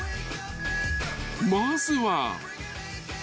［まずは］